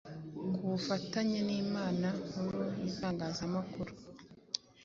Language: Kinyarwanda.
ku bufatanye n’Inama Nkuru y’Itangazamukuru.